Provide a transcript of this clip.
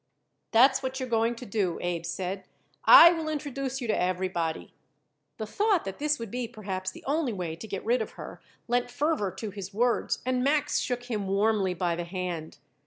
"That's what you're going to do," Abe said. "I will introduce you to everybody." The thought that this would be, perhaps, the only way to get rid of her lent fervor to his words, and Max shook him warmly by the hand.